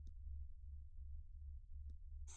د تولیدي اقتصاد په لور روان یو؟